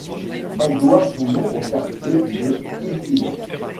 Elle doit son nom au quartier de Hillhead.